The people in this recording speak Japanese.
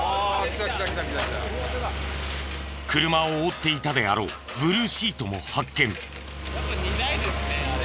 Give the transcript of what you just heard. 車を覆っていたであろうブルーシートも発見。